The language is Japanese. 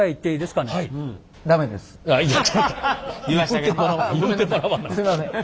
すいません。